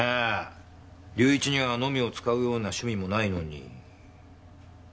隆一にはのみを使うような趣味もないのに。